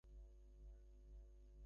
চুপ মেরে থেকো না, বাবা।